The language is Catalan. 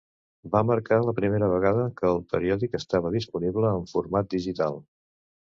Va marcar la primera vegada que el periòdic estava disponible en format digital.